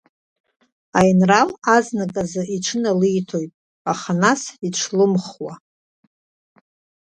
Аинрал азныказы иҽыналиҭоит, аха нас иҽлымхуа.